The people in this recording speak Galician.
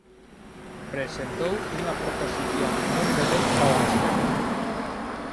Presentou unha proposición non de lei ao respecto.